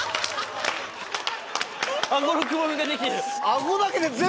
アゴのくぼみができてる。